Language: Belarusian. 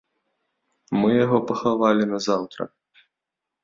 Мы яго пахавалі назаўтра.